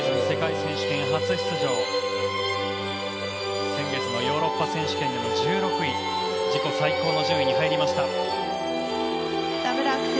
世界選手権初出場先月のヨーロッパ選手権でも１６位と自己最高の順位に入りました。